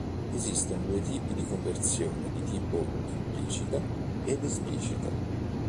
Esistono due tipi di conversione di tipo: implicita ed esplicita.